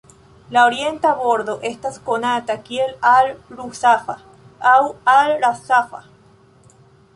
La orienta bordo estas konata kiel Al-Rusafa aŭ Al-Rasafa.